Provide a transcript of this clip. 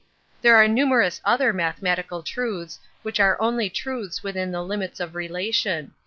There are numerous other mathematical truths which are only truths within the limits of relation.